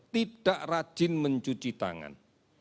tidak rajin mencuci tangan